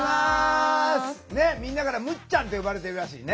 みんなからむっちゃんって呼ばれてるらしいね。